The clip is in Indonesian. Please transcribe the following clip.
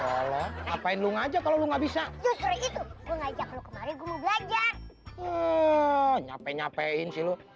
apa apa lu ngajak kalau nggak bisa itu